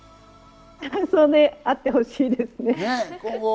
そうあってほしいですね。